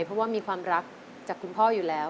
เพราะว่ามีความรักจากคุณพ่ออยู่แล้ว